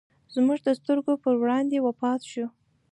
زموږ د سترګو پر وړاندې وفات شو.